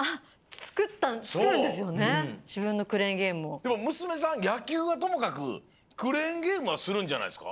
でもむすめさんやきゅうはともかくクレーンゲームはするんじゃないですか？